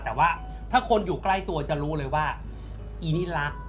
แต่ว่าถ้าคนอยู่ใกล้ตัวจะรู้เลยว่าอีนี่รัก